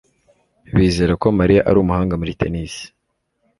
Bizera ko Mariya ari umuhanga muri tennis